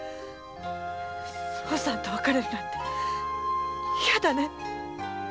惣さんと別れるなんて嫌だね！